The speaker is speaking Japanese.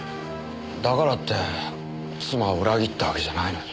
だからって妻を裏切ったわけじゃないのに。